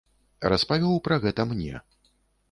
Распавёў пра гэта мне.